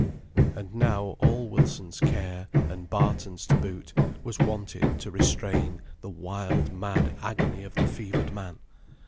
And now all Wilson's care, and Barton's to boot, was wanted to restrain the wild mad agony of the fevered man.